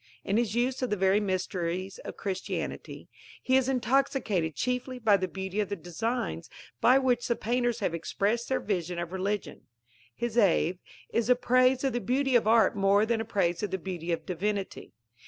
In his use of the very mysteries of Christianity, he is intoxicated chiefly by the beauty of the designs by which the painters have expressed their vision of religion. His Ave is a praise of the beauty of art more than a praise of the beauty of divinity.